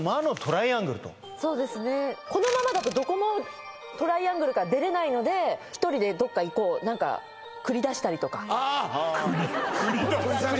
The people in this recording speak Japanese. このままだとどこもトライアングルから出れないので１人でどっか行こう何か繰り繰り出す？